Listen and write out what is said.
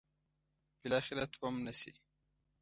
بالاخره تومنه شي.